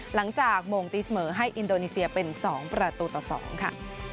หลังจากโมงตีเสมอให้อินโดนีเซียเป็น๒ประตูต่อ๒ค่ะ